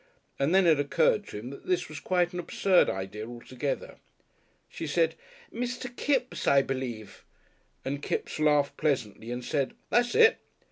And then it occurred to him that this was quite an absurd idea altogether. She said "Mr. Kipps, I believe," and Kipps laughed pleasantly and said, "That's it!"